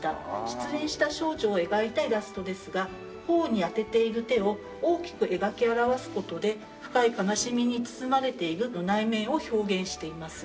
失恋した少女を描いたイラストですが頬に当てている手を大きく描き表す事で深い悲しみに包まれている内面を表現しています。